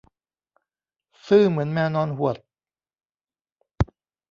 ซื่อเหมือนแมวนอนหวด